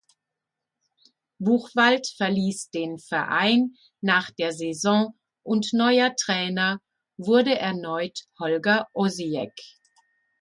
Buchwald verließ den Verein nach der Saison und neuer Trainer wurde erneut Holger Osieck.